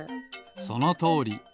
そのとおり。